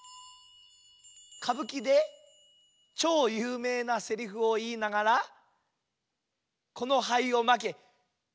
「かぶきでちょうゆうめいなセリフをいいながらこのはいをまけ」。